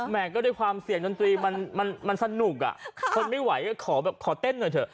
ก็ด้วยความเสียงดนตรีมันสนุกอ่ะทนไม่ไหวก็ขอแบบขอเต้นหน่อยเถอะ